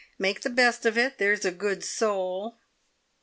Make the best of it, there's a good soul!"